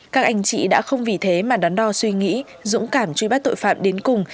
các anh chị đã không vì thế mà đắn đo suy nghĩ dũng cảm truy bắt tội phạm đến cùng